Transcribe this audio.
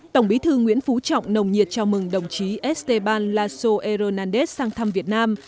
tổng bí thư nguyễn phú trọng nồng nhiệt chào mừng đồng chí esteban lasso hernández sang thăm việt nam